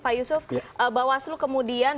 pak yusuf bawas lo kemudian